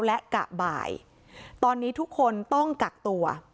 และกะบ่ายตอนนี้ทุกคนต้องกักตัว